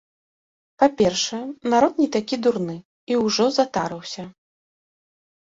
Па-першае, народ не такі дурны і ўжо затарыўся.